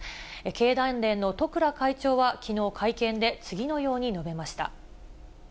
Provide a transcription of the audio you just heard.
経団連の十倉会長はきのう、会見で次のように述べました。